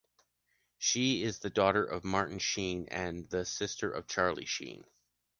She is the daughter of Martin Sheen and the sister of Charlie Sheen.